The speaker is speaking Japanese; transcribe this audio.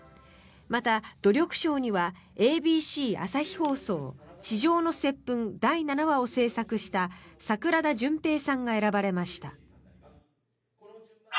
また、努力賞にはＡＢＣ・朝日放送「痴情の接吻第７話」を制作した櫻田惇平さんが選ばれました。